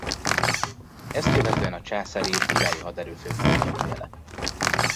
Ezt követően a Császári és Királyi Haderő főfelügyelője lett.